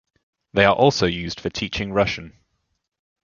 They are also used for teaching Russian.